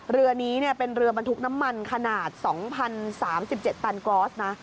เรือนี้เป็นเรือบรรทุกน้ำมันขนาด๒๐๓๗ตันกอสนะ